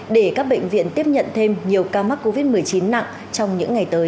để các bệnh viện tiếp nhận thêm nhiều ca mắc covid một mươi chín nặng trong những ngày tới